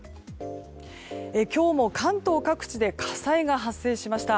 今日も関東各地で火災が発生しました。